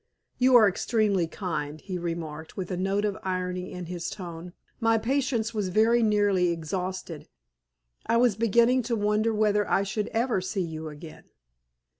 "You are extremely kind," he remarked, with a note of irony in his tone. "My patience was very nearly exhausted. I was beginning to wonder whether I should ever see you again."